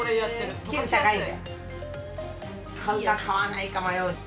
買うか買わないか迷う。